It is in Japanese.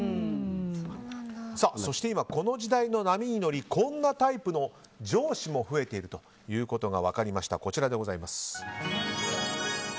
そして今この時代の波に乗りこんなタイプの上司も増えているということが分かりました。